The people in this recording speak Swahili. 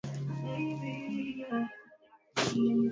alikuwa na uhusiano wa karibu sana na familia tajiri ya gupta